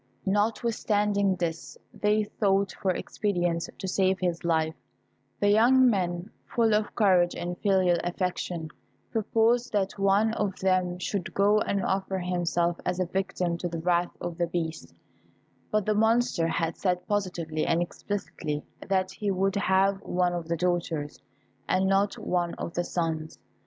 Notwithstanding this, they sought for expedients to save his life; the young men, full of courage and filial affection, proposed that one of them should go and offer himself as a victim to the wrath of the Beast; but the monster had said positively and explicitly that he would have one of the daughters, and not one of the sons.